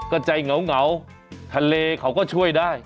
ก็ใจเหงาทะเลเขาก็ช่วยได้